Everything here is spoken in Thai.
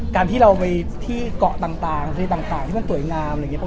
การที่เราไปที่เกาะต่างที่มันสวยงามอะไรอย่างเงี้ย